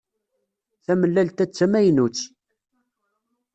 Tamellalt-a d tamaynut.